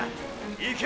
いけ！！